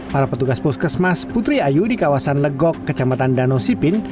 para petugas puskesmas putri ayu di kawasan legok kecamatan danosipin